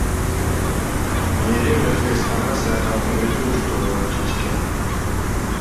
Мээрим Өзбекстанга саякатын өзү уюштурууну чечкен.